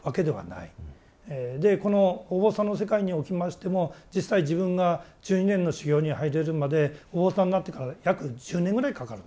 でこのお坊さんの世界におきましても実際自分が１２年の修行に入れるまでお坊さんになってから約１０年ぐらいかかるんですね。